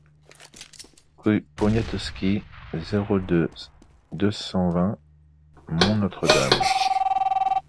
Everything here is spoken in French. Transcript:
Rue Poniatowski, zéro deux, deux cent vingt Mont-Notre-Dame